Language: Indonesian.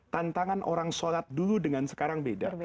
tantangan orang sholat dulu dengan sekarang beda